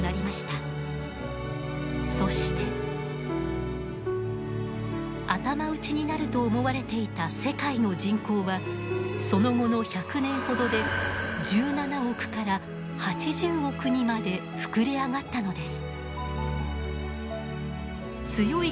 そして頭打ちになると思われていた世界の人口はその後の１００年ほどで１７億から８０億にまで膨れ上がったのです。